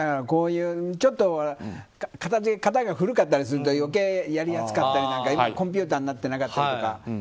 こういう型が古かったりするとやりやすかったりコンピューターになってなかったりとか。